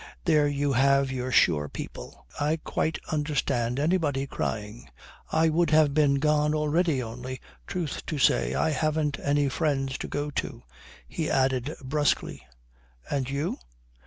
There you have your shore people. I quite understand anybody crying. I would have been gone already, only, truth to say, I haven't any friends to go to." He added brusquely: "And you?"